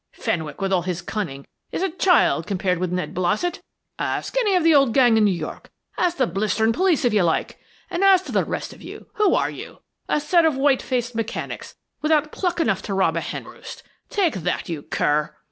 Fenwick, with all his cunning, is a child compared with Ned Blossett. Ask any of the old gang in New York, ask the blistering police if you like; and as to the rest of you, who are you? A set of whitefaced mechanics, without pluck enough to rob a hen roost. Take that, you cur!"